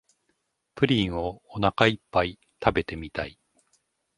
プリンをおなかいっぱい食べてみたい